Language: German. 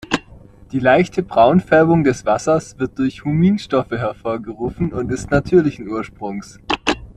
Die leichte Braunfärbung des Wassers wird durch Huminstoffe hervorgerufen und ist natürlichen Ursprungs.